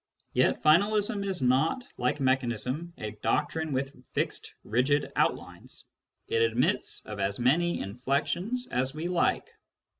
" Yet finalism is not, like mechanism, a doctrine with fixed rigid outlines. It admits of as many inflections as we like.